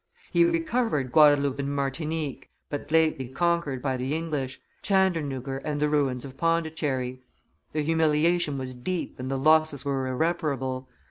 He recovered Guadaloupe and Martinique, but lately conquered by the English, Chandernuggur and the ruins of Pondicherry. The humiliation was deep and the losses were irreparable.